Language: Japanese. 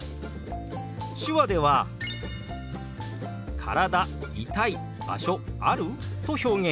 手話では「体痛い場所ある？」と表現します。